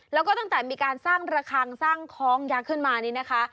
แล้วก็ตั้งแต่มีการสร้างระคังสร้างคล้องยักษ์ขึ้นมานี่นะคะ